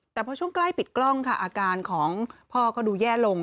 แต่พอช่วงใกล้ปิดกล้องค่ะอาการของพ่อก็ดูแย่ลง